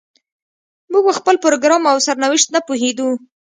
موږ په خپل پروګرام او سرنوشت نه پوهېدو.